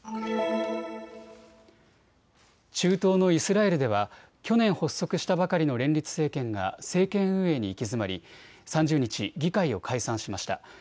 中東のイスラエルでは去年、発足したばかりの連立政権が政権運営に行き詰まり３０日、議会を解散しました。